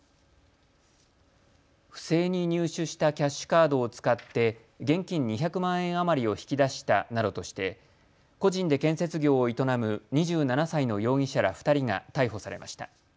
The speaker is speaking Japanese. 不正に入手したキャッシュカードを使って、現金２００万円余りを引き出したなどとして個人で建設業を営む２７歳の容疑者ら２人が逮捕されました。